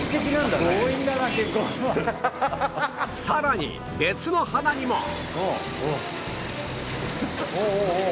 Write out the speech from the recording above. さらに別の花にも